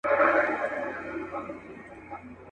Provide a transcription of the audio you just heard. لوڅ لپړ پاچا روان لكه اشا وه .